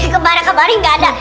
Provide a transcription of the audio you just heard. kemara kemari gak ada